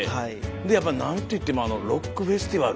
でやっぱ何と言ってもあのロックフェスティバル。